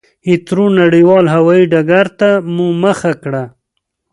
هېترو نړېوال هوایي ډګرته مو مخه کړه.